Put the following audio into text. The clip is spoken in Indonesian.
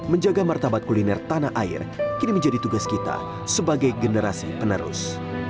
menjaga martabat kuliner tanah air kini menjadi tugas kita sebagai generasi penerus